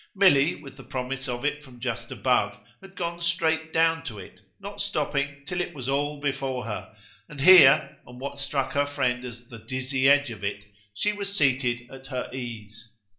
Milly, with the promise of it from just above, had gone straight down to it, not stopping till it was all before her; and here, on what struck her friend as the dizzy edge of it, she was seated at her ease.